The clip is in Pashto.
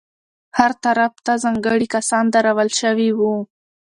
هر طرف ته ځانګړي کسان درول شوي وو.